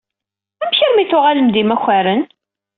Amek armi i tuɣalem d imakaren?